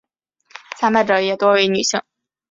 参拜者也多为女性。